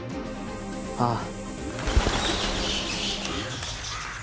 ああ。